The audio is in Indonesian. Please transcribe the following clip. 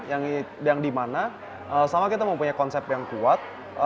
yang dimana sama kita mau punya konsep yang kuat